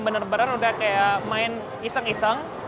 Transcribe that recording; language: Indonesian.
bener bener udah kayak main iseng iseng